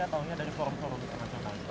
ataunya dari forum forum internasional